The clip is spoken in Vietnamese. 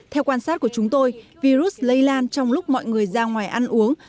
theo quan sát của chúng tôi virus lây lan trong lúc mọi người ra ngoài ăn uống